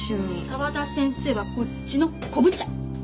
沢田先生はこっちの昆布茶。